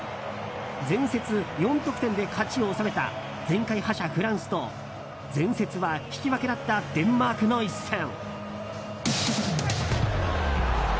前節４得点で勝ちを収めた前回覇者フランスと前節は引き分けだったデンマークの一戦。